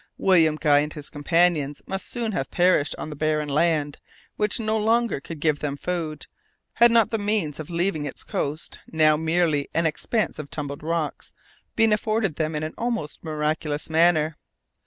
William Guy and his companions must soon have perished on the barren land, which no longer could give them food, had not the means of leaving its coast, now merely an expanse of tumbled rocks, been afforded them in an almost miraculous manner.